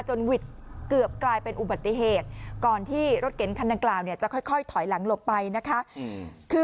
หวิดเกือบกลายเป็นอุบัติเหตุก่อนที่รถเก๋งคันดังกล่าวเนี่ยจะค่อยถอยหลังหลบไปนะคะ